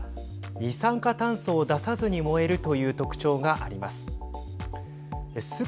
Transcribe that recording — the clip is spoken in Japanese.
二酸化炭素を出さずに燃えるという特徴があります。